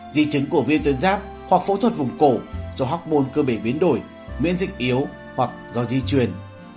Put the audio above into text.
di chứng của viêm tuyến giáp hoặc phẫu thuật vùng cổ do hóc môn cơ bể biến đổi miễn dịch yếu hoặc do di truyền